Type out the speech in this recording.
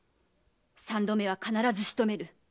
三度目は必ずしとめる。